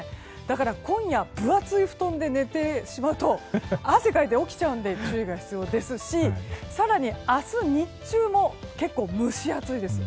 今夜、分厚い布団で寝てしまうと汗をかいて起きちゃうので注意が必要ですし更に明日日中も結構蒸し暑いです。